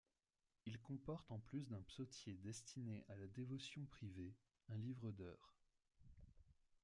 Il comporte en plus d'un psautier destiné à la dévotion privée, un livre d'heures.